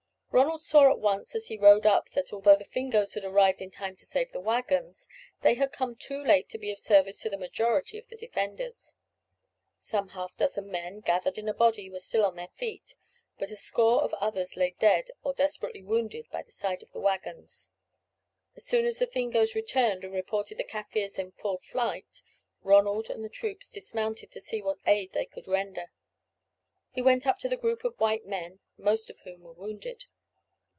Ronald saw at once as he rode up that although the Fingoes had arrived in time to save the waggons, they had come too late to be of service to the majority of the defenders. Some half dozen men, gathered in a body, were still on their feet, but a score of others lay dead or desperately wounded by the side of the waggons. As soon as the Fingoes returned and reported the Kaffirs in full flight, Ronald and the troops dismounted to see what aid they could render. He went up to the group of white men, most of whom were wounded.